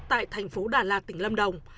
tại thành phố đà lạt tỉnh lâm đồng